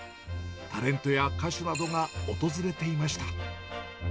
タレントや歌手などが訪れていました。